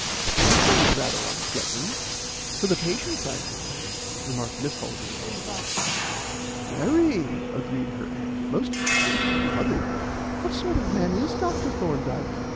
"That sounds rather unpleasant for the patients, I mean," remarked Miss Haldean. "Very," agreed her aunt. "Most cold blooded. What sort of man is Dr. Thorndyke?